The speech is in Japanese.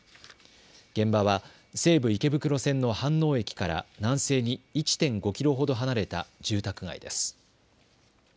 現場は西武池袋線の飯能駅から南西に１．５キロほど離れた住宅街です。